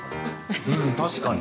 うん、確かに。